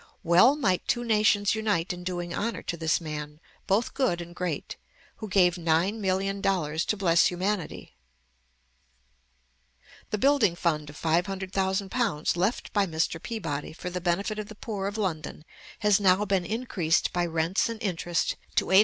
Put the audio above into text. Well might two nations unite in doing honor to this man, both good and great, who gave nine million dollars to bless humanity. [The building fund of £500,000 left by Mr. Peabody for the benefit of the poor of London has now been increased by rents and interest to £857,320.